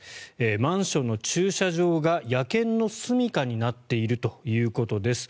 マンションの駐車場が野犬のすみかになっているということです。